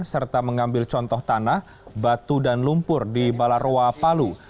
serta mengambil contoh tanah batu dan lumpur di balaroa palu